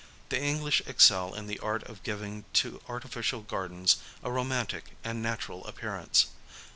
The English excel in the art of giving to artificial gardens a romantic and natural appearance.